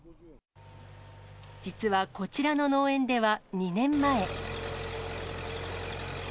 実はこちらの農園では２年前。